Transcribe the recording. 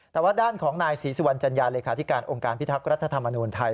แต่ว่าด้านของนายศรีสุวรรณจัญญาเลขาธิการองค์การพิทักษ์รัฐธรรมนูญไทย